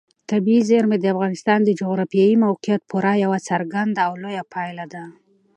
طبیعي زیرمې د افغانستان د جغرافیایي موقیعت پوره یوه څرګنده او لویه پایله ده.